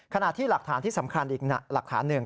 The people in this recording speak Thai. ขณะที่หลักฐานที่สำคัญอีกหลักฐานหนึ่ง